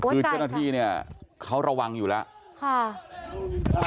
คือเจ้าหน้าที่เนี่ยเขาระวังอยู่แล้ว